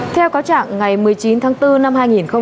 theo cáo trạng ngày một mươi chín tháng bốn năm hai nghìn hai mươi